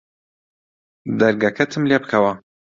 دەرگەکەتم لێ بکەوە